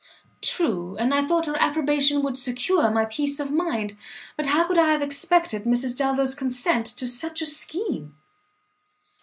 "True; and I thought her approbation would secure my peace of mind; but how could I have expected Mrs Delvile's consent to such a scheme!"